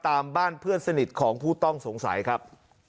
ตามบ้านเพื่อนสนิทของผู้ต้องสงสัยครับ